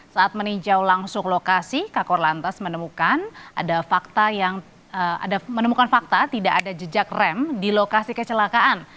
saat meninjau langsung lokasi kakor lantas menemukan fakta tidak ada jejak rem di lokasi kecelakaan